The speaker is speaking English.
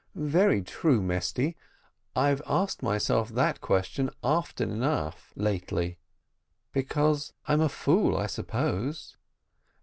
"Very true, Mesty, I've asked myself that question often enough lately; because I'm a fool, I suppose."